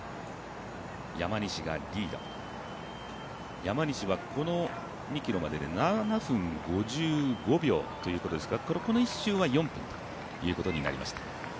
山西がリード、山西がこの２ｋｍまでで７分５５秒ということですからこの１周は４分ということになりました。